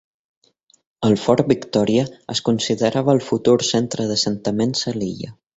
El Fort Victoria es considerava el futur centre d'assentaments a l'illa.